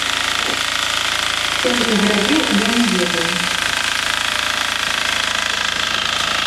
Хто гэта зрабіў, я не ведаю.